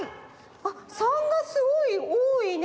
あっ③がすごいおおいね。